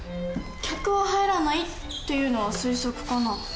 「客は入らない」っていうのは推測かな。